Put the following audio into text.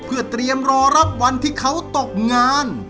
เพื่อเตรียมรอรับวันที่เขาตกงาน